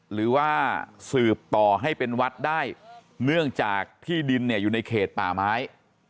หรือว่าสืบต่อให้เป็นวัดได้เนื่องจากที่ดินเนี่ยอยู่ในเขตป่าไม้